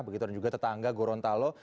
begitu dan juga tetangga gorontalo